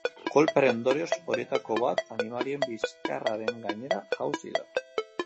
Kolpearen ondorioz, horietako bat animalien bizkarraren gainera jausi da.